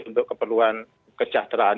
untuk keperluan kejahteraan